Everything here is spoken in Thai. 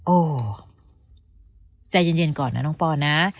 โอ้ใจเย็นก่อนนะน้องปอนะ